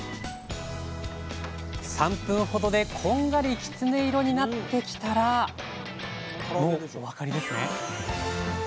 ３分ほどでこんがりキツネ色になってきたらもうお分かりですね？